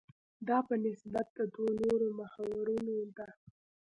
دا په نسبت د دوو نورو محورونو ده.